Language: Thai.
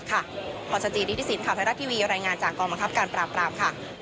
คอสติดิกิซิสไฮรัตทิวีรายงานจากนกรปราม